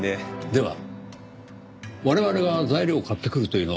では我々が材料を買ってくるというのはいかがでしょう？